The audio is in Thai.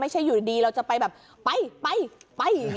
ไม่ใช่อยู่ดีเราจะไปแบบไปอย่างนี้